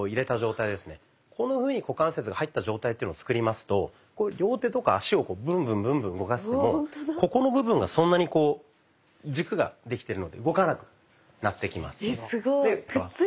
こんなふうに股関節が入った状態っていうのを作りますと両手とか脚をブンブンブンブン動かしてもここの部分がそんなにこう軸ができてるので動かなくなってきます。